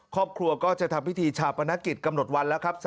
ครอบครัวก็จะทำพิธีชาปนกิจกำหนดวันแล้วครับ